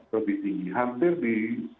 lebih tinggi hampir di